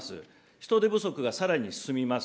人手不足が更に進みます。